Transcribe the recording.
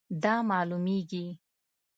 دا معلومیږي